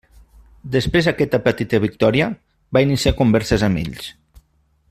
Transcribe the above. Després aquesta petita victòria, va iniciar converses amb ells.